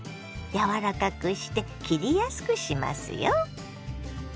柔らかくして切りやすくしますよ。